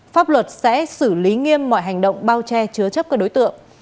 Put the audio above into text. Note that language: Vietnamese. pháp luật sẽ xử lý nghiêm mọi hành động bao che chứa chấp các đối tượng